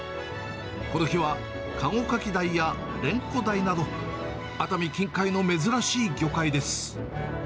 この日はカゴカキダイやレンコダイなど、熱海近海の珍しい魚介です。